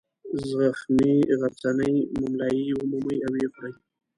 زخمي غرڅنۍ مُملایي ومومي او ویې خوري.